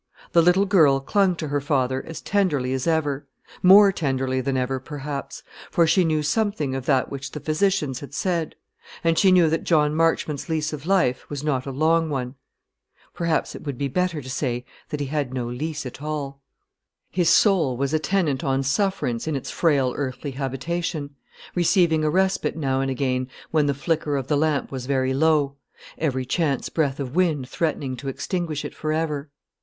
The little girl clung to her father as tenderly as ever more tenderly than ever perhaps; for she knew something of that which the physicians had said, and she knew that John Marchmont's lease of life was not a long one. Perhaps it would be better to say that he had no lease at all. His soul was a tenant on sufferance in its frail earthly habitation, receiving a respite now and again, when the flicker of the lamp was very low every chance breath of wind threatening to extinguish it for ever.